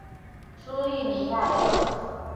苏利尼亚克。